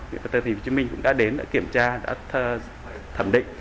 vì vậy bệnh viện vn cũng đã đến kiểm tra thẩm định